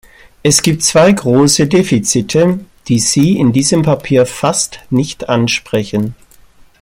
Es gibt zwei große Defizite, die Sie in diesem Papier fast nicht ansprechen.